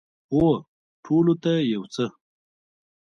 هو، ټولو ته یو څه